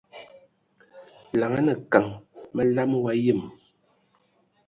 Laŋa kan məlam wa yəm.